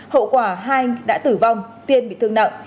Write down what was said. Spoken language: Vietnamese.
hậu quả hai anh đã tử vong tiên bị thương nặng